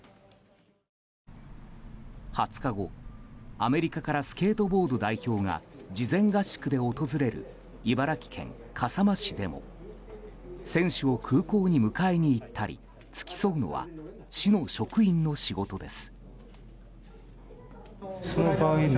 ２０日後、アメリカからスケートボード代表が事前合宿で訪れる茨城県笠間市でも選手を空港に迎えに行ったり付き添うのは市の職員の仕事です。